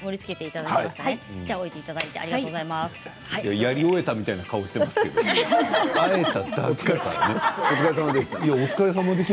やり終えたみたいな顔しているけどお疲れさまでした。